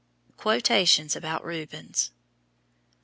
QUOTATIONS ABOUT RUBENS.